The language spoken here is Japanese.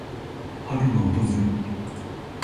春の訪れ。